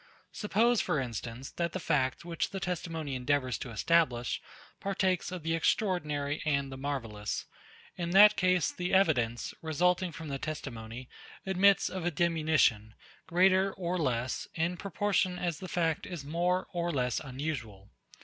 Suppose, for instance, that the fact, which the testimony endeavours to establish, partakes of the extraordinary and the marvellous; in that case, the evidence, resulting from the testimony, admits of a diminution, greater or less, in proportion as the fact is more or less unusual.